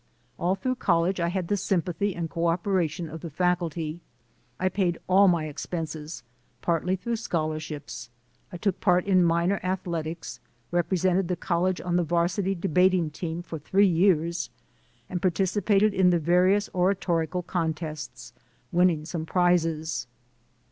All through college I had the sympathy and cooperation of the faculty. I paid all my expenses, partly through scholarships. I took part in minor athletics, represented the College on the Varsity Debating Team for three years, and participated in the various oratorical contests, winning some prizes.